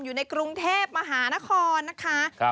อยู่ในกรุงเทพมหานครนะคะ